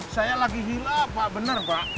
saya lagi hilap pak bener pak